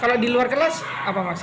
kalau di luar kelas apa mas